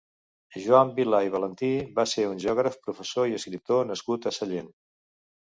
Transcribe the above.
Joan Vilà i Valentí va ser un geògraf, professor i escriptor nascut a Sallent.